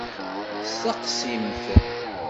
Steqsimt!